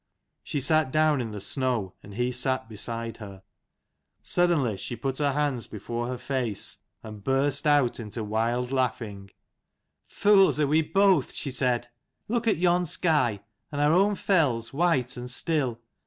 She sat down in the snow, and he sat beside her. Suddenly she put her hands before her face and burst out into wild 175 laughing. " Fools we are both," she said. " Look at yon sky, and our own fells, white and still.